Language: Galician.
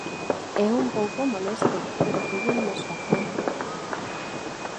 É un pouco molesto, pero que lle imos facer...